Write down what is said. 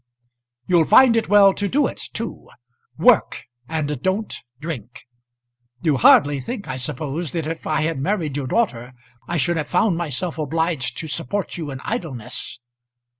'" "You'll find it well to do it, too. Work, and don't drink. You hardly think, I suppose, that if I had married your daughter I should have found myself obliged to support you in idleness?"